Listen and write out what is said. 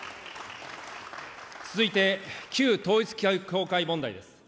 続いて、旧統一教会問題です。